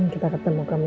kita ketemu kembali